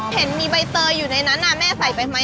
เห็นมีใบเตยอยู่ในนั้นแม่ใส่ไปไหม